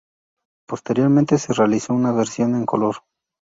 Posteriormente se realizó una versión en color.